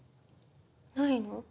ないの？